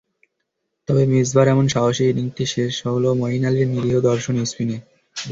তবে মিসবাহর এমন সাহসী ইনিংসটি শেষ হলো মঈন আলীর নিরীহ দর্শন স্পিনে।